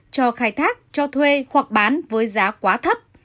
cho khai thác cho thuê hoặc bán với giá quá thấp